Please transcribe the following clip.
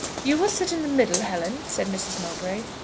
"You will sit in the middle, Helen," said Mrs. Mowbray.